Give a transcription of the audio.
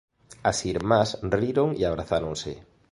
As irmás riron e abrazáronse.